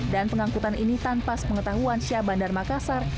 dan pengangkutan ini tanpa sepengetahuan syah bandar makassar